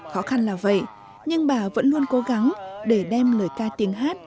khó khăn là vậy nhưng bà vẫn luôn cố gắng để đem lời ca tiếng hát